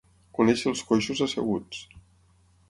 Conèixer els coixos asseguts.